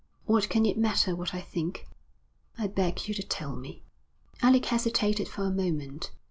'What can it matter what I think?' 'I beg you to tell me.' Alec hesitated for a moment.